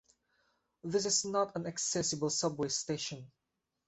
This is not an accessible subway station.